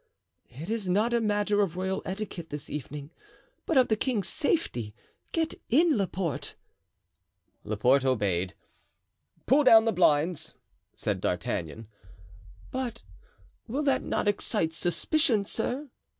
"It is not a matter of royal etiquette this evening, but of the king's safety. Get in, Laporte." Laporte obeyed. "Pull down the blinds," said D'Artagnan. "But will that not excite suspicion, sir?"